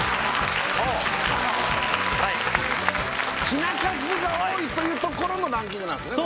品数が多いというところのランキングなんですね